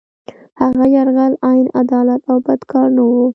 هغه یرغل عین عدالت او بد کار نه وو.